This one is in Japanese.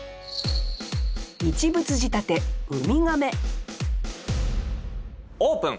一物仕立て「海亀」オープン。